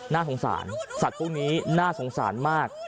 น่าสงสารสัตว์พวกนี้น่าสงสารมาก